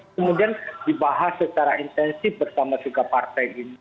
kemudian dibahas secara intensif bersama tiga partai ini